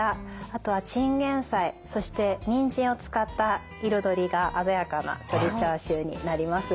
あとはチンゲンサイそしてニンジンを使った彩りが鮮やかな鶏チャーシューになります。